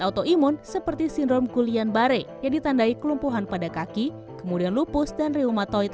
autoimun seperti sindrom kulian bare yang ditandai kelumpuhan pada kaki kemudian lupus dan ryumatoid